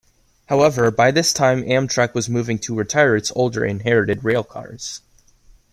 However, by this time Amtrak was moving to retire its older, inherited railcars.